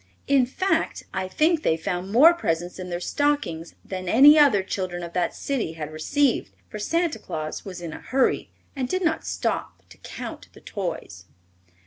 In face, I think they found more presents in their stockings than any other children of that city had received, for Santa Claus was in a hurry and did not stop to count the toys.